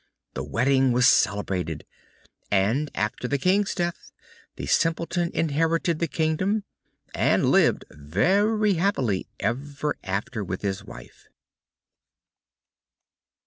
The wedding was celebrated, and after the King's death, the Simpleton inherited the Kingdom, and lived very happily ever after with his wife.